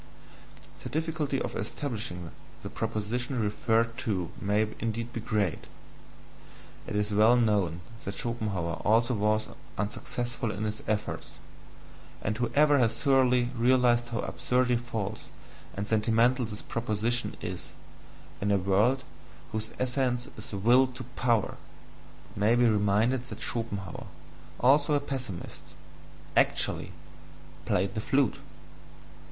The difficulty of establishing the proposition referred to may indeed be great it is well known that Schopenhauer also was unsuccessful in his efforts; and whoever has thoroughly realized how absurdly false and sentimental this proposition is, in a world whose essence is Will to Power, may be reminded that Schopenhauer, although a pessimist, ACTUALLY played the flute...